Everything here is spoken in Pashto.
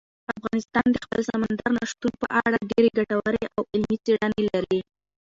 افغانستان د خپل سمندر نه شتون په اړه ډېرې ګټورې او علمي څېړنې لري.